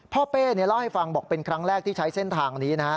เป้เล่าให้ฟังบอกเป็นครั้งแรกที่ใช้เส้นทางนี้